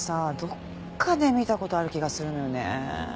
どっかで見た事ある気がするのよねえ。